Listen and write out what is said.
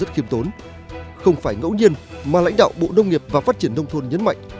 không phải ngẫu nhiên mà lãnh đạo bộ nông nghiệp và phát triển nông thôn nhấn mạnh